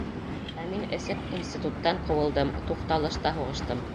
Ә мин эсеп институттан ҡыуылдым, туҡталышта һуғыштым!